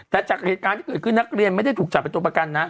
แต่จากเหตุการณ์ที่เกิดขึ้นนักเรียนไม่ได้ถูกจับเป็นตัวประกันนะ